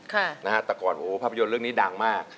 แต่ก่อนโอ้โหภาพยนตร์เรื่องนี้ดังมาก